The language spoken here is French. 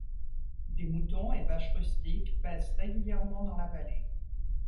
Des moutons et vaches rustiques paissent régulièrement dans la vallée.